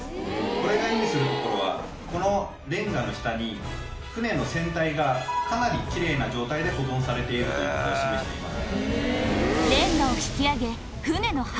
これが意味するところはこのレンガの下に船の船体がかなりキレイな状態で保存されていることを示してます。